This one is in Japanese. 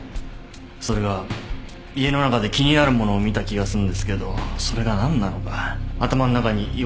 それが家の中で気になるものを見た気がすんですけどそれが何なのか頭の中に違和感がどんと居座ってて。